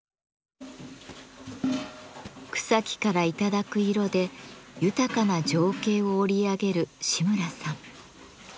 草木からいただく色で豊かな情景を織り上げる志村さん。